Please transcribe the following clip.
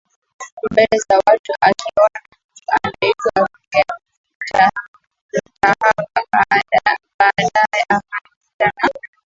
mbele za watu akaniona mtu anaitwa Ruge Mutahaba baadae akaniita na